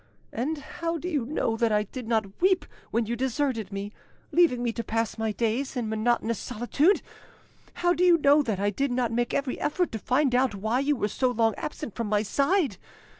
And how do you know that I did not weep when you deserted me, leaving me to pass my days in monotonous solitude? How do you know that I did not make every effort to find out why you were so long absent from my side?